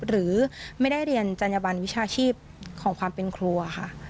หรือไม่ได้เรียนจัญญบันวิชาชีพของความเป็นครัวค่ะ